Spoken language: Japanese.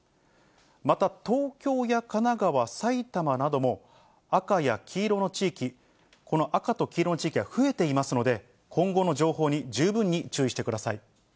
また、東京や神奈川、埼玉なども、赤や黄色の地域、この赤と黄色地域が増えていますので、今後の情報に十分に注意してください。